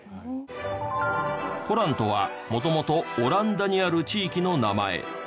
ホラントは元々オランダにある地域の名前。